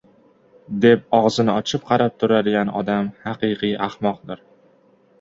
deb ogʻzini ochib qarab turadigan odam haqiqiy ahmoqdir.